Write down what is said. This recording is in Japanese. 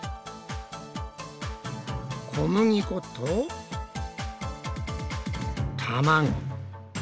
小麦粉と卵。